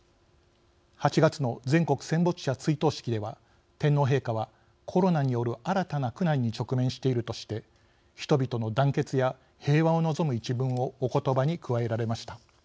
８月の全国戦没者追悼式では天皇陛下は、コロナによる新たな苦難に直面しているとして人々の団結や平和を望む一文をおことばに加えられました。